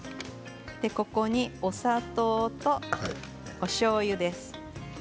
ここにお砂糖とおしょうゆです。